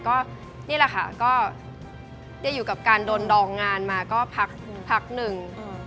ก็นี่แหละค่ะก็ได้อยู่กับการโดนดองงานมาก็พักหนึ่ง